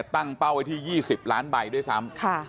ตั้งเป้าไว้ที่๒๐ล้านใบด้วยซ้ำ